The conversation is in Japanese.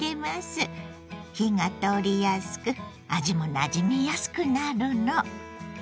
火が通りやすく味もなじみやすくなるの。